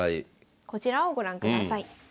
こちらをご覧ください。